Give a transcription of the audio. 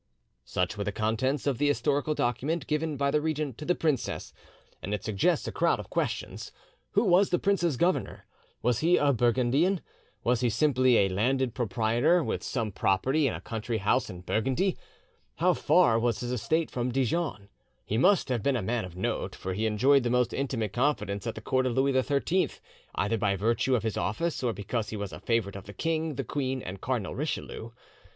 '" Such were the contents of the historical document given by the regent to the princess, and it suggests a crowd of questions. Who was the prince's governor? Was he a Burgundian? Was he simply a landed proprietor, with some property and a country house in Burgundy? How far was his estate from Dijon? He must have been a man of note, for he enjoyed the most intimate confidence at the court of Louis XIII, either by virtue of his office or because he was a favourite of the king, the queen, and Cardinal Richelieu.